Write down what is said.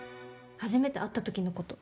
初めて会った時のこと。